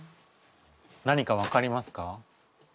何か分かりますか？